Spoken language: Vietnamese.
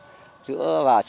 và sự gắn chặt